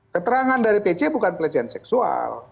keterangan dari pc bukan pelecehan seksual